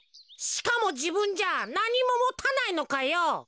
しかもじぶんじゃなにももたないのかよ。